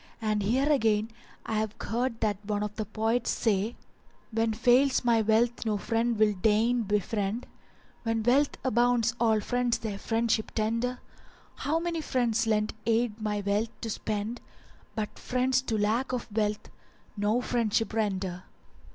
And here again I have heard that one of the poets said:— When fails my wealth no friend will deign befriend: * When wealth abounds all friends their friendship tender: How many friends lent aid my wealth to spend; * But friends to lack of wealth no friendship render.